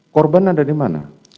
korban ada dimana